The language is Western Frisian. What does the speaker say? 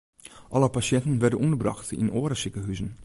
Alle pasjinten wurde ûnderbrocht yn oare sikehuzen.